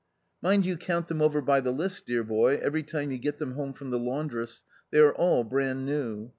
Mind you count them over by the list, dear boy, every time you get them home from the laundress ; they are all bran new.